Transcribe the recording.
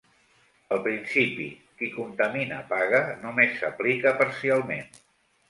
El principi 'qui contamina paga' només s'aplica parcialment.